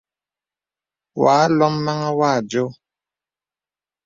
Wà àlôm màŋhàŋ wà ādio.